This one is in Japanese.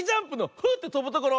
あっとぶところ！